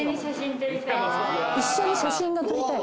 一緒に写真が撮りたい？